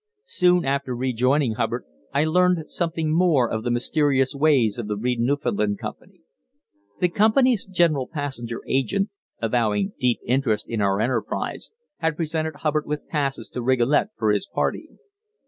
Soon after rejoining Hubbard, I learned something more of the mysterious ways of the Reid Newfoundland Company. The company's general passenger agent, avowing deep interest in our enterprise, had presented Hubbard with passes to Rigolet for his party.